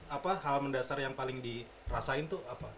apa hal mendasar yang paling dirasain tuh apa